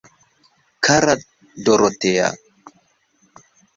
Kara Dorotea!